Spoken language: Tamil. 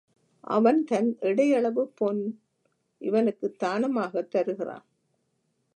அவன் தன் எடை அளவு பொன் இவனுக்குத் தானமாகத் தருகிறான்.